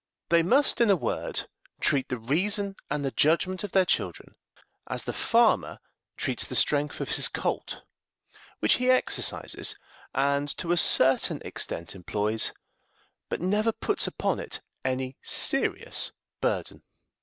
They must, in a word, treat the reason and the judgment of their children as the farmer treats the strength of his colt, which he exercises and, to a certain extent, employs, but never puts upon it any serious burden.